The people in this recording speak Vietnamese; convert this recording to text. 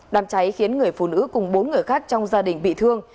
đám cháy khiến người phụ nữ cùng bốn người khác trong gia đình bị thương